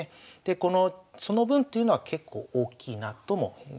この「その分」というのは結構大きいなとも思います。